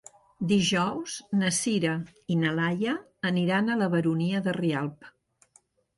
Dijous na Sira i na Laia aniran a la Baronia de Rialb.